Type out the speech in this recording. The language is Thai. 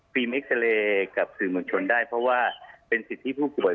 เอ็กซาเรย์กับสื่อมวลชนได้เพราะว่าเป็นสิทธิผู้ป่วย